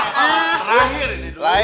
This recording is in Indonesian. terakhir ini dulu